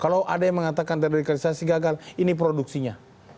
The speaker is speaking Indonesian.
kalau ada yang mengatakan deradikalisasi gagal ini produksinya